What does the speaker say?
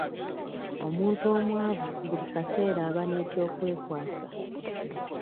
Omuntu omwavu buli kaseera aba n'ekyokwekwasa.